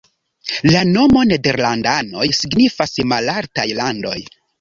La nomo "Nederlandoj" signifas "malaltaj landoj".